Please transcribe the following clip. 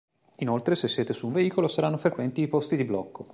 Inoltre se siete su un veicolo saranno frequenti i posti di blocco.